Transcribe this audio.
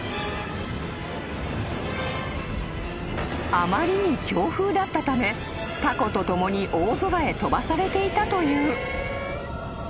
［あまりに強風だったためたこと共に大空へ飛ばされていたという］